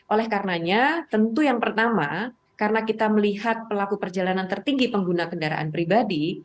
oleh karenanya tentu yang pertama karena kita melihat pelaku perjalanan tertinggi pengguna kendaraan pribadi